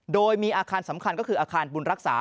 โดยมีอาคารสำคัญก็คืออาคารบุญรักษา